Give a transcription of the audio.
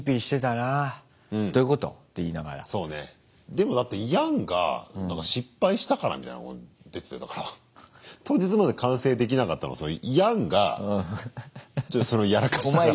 でもだってヤンが失敗したからみたいなこと出てたから当日まで完成できなかったのはヤンがそれをやらかしたから。